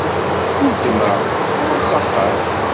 Uletma ɣur-s axxam.